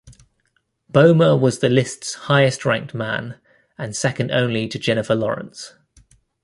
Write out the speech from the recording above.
Bomer was the list's highest ranked man and second only to Jennifer Lawrence.